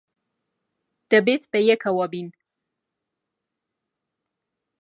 دەبێت بەیەکەوە بین.